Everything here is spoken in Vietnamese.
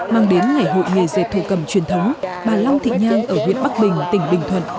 mang đến ngày hội nghề dệt thổ cầm truyền thống bà long thị nhan ở huyện bắc bình tỉnh bình thuận